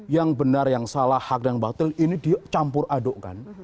yang benar yang salah hak dan batil ini dicampur adukkan